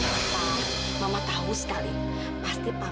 rasanyaya menggunakan daya apa dia itu